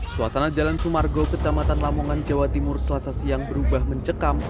suasana jalan sumargo kecamatan lamongan jawa timur selasa siang berubah mencekam